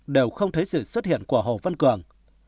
đều không thấy sự xuất hiện của hồ văn cường